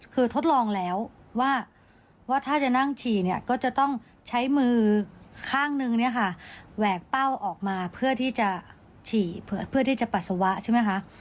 คือทดลองแล้วว่าถ้าจะนั่งฉี่เนี่ยก็จะต้องใช้มือข้างนึงเนี่ยค่ะแหวกเป้าออกมาเพื่อที่จะฉี่เพื่อที่จะปัสสาวะใช่ไหมคะ